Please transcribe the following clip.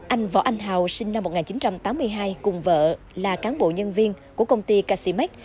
anh võ anh hào sinh năm một nghìn chín trăm tám mươi hai cùng vợ là cán bộ nhân viên của công ty casimax